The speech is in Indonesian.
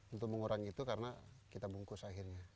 untuk mengurangi itu karena kita bungkus akhirnya